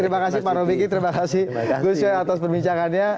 terima kasih pak robiki terima kasih gus coy atas perbincangannya